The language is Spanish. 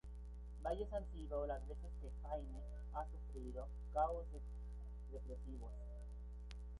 Varias han sido las veces que La Haine ha sufrido casos represivos.